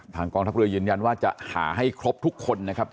กองทัพเรือยืนยันว่าจะหาให้ครบทุกคนนะครับ